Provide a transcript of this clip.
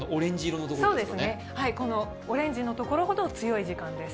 このオレンジのところほど強い時間です。